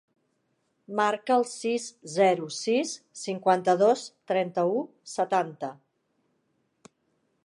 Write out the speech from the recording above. Marca el sis, zero, sis, cinquanta-dos, trenta-u, setanta.